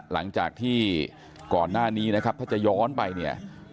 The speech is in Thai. หลังจากที่ก่อนหน้านี้นะครับถ้าจะย้อนไปเนี่ย